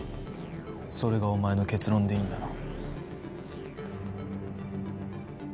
それがお前の結論でいいんだな？